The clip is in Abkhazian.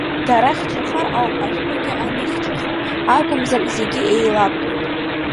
Дара хьчахар ауп ашәҟәгьы аныхьчахо, акәымзар зегьы еилабгоит.